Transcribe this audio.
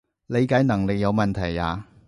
理解能力有問題呀？